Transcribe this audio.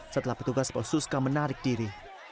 setelah petugas posuska menarik diri